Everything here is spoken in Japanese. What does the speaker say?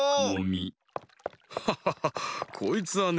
ハハハハこいつはね